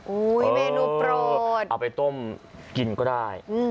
อุ้ยเมนูโปรดเอ่อเอาไปต้มกินก็ได้อืม